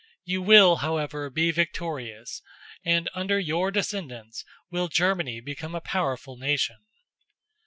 You will, however, be victorious, and under your descendants will Germany become a powerful nation."